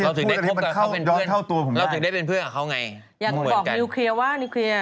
ยังบอกนิวเคลียร์ว่า